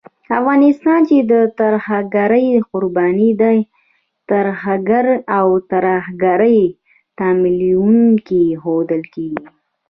افغانستان چې د ترهګرۍ قرباني دی، ترهګر او د ترهګرۍ تمويلوونکی ښودل کېږي